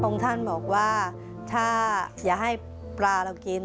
องค์ท่านบอกว่าถ้าอย่าให้ปลาเรากิน